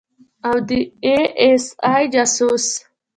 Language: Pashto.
او د آى اس آى جاسوس.